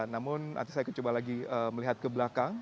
namun nanti saya akan coba lagi melihat ke belakang